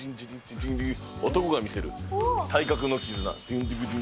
男が見せる、体格の絆。